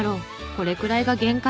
「これくらいが限界」。